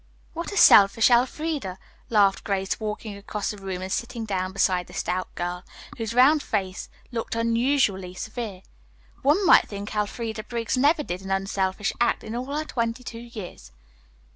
"What a selfish Elfreda," laughed Grace, walking across the room and sitting down beside the stout girl, whose round face looked unusually severe. "One might think Elfreda Briggs never did an unselfish act in all her twenty two years.